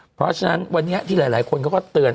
เพราะฉะนั้นวันนี้ที่หลายคนเขาก็เตือน